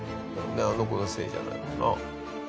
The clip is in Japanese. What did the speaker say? あの子のせいじゃないわな。